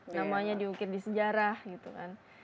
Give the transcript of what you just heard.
namanya diukir di sejarah gitu kan